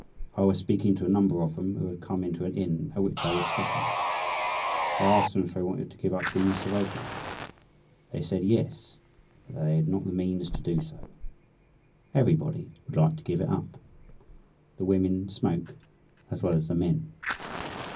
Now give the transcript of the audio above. I was speaking to a number of them who had come into an inn at which I was stopping. I asked them if they wanted to give up the use of opium. They said yes, but that they had not the means to do so. Everybody would like to give it up. The women smoke, as well as the men.